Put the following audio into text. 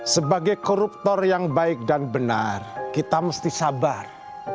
sebagai koruptor yang baik dan benar kita mesti sabar